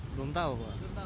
belum tahu pak